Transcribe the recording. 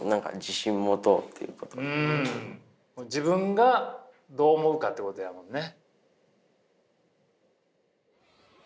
自分がどう思うかということやもんね。